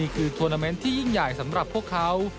คือธุรกิจที่ยิ่งใหญ่สำหรับพวกเขา